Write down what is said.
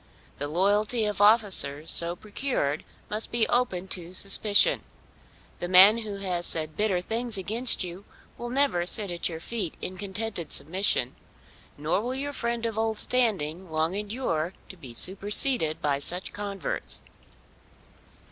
The loyalty of officers so procured must be open to suspicion. The man who has said bitter things against you will never sit at your feet in contented submission, nor will your friend of old standing long endure to be superseded by such converts.